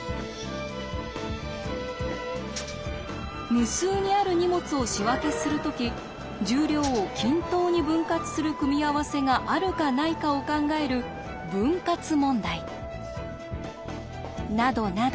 無数にある荷物を仕分けする時重量を均等に分割する組み合わせがあるかないかを考える「分割問題」。などなど